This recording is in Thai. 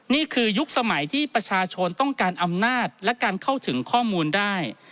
ยุคสมัยที่ประชาชนต้องการอำนาจและการเข้าถึงข้อมูลได้